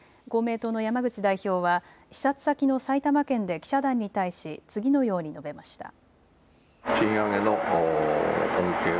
公明党の山口代表は視察先の埼玉県で記者団に対し次のように述べました。